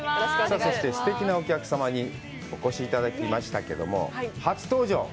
そして、すてきなお客様にお越しいただきましたけども、初登場。